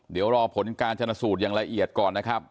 เดี๋ยวรอผลการชนะสูตรอย่างละเอียดก่อนนะครับ